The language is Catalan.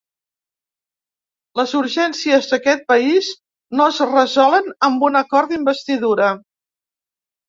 Les urgències d’aquest país no es resolen amb un acord d’investidura.